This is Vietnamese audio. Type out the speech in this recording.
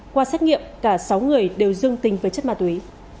qua xét nghiệm cả sáu người đều dương tính với chất ma túy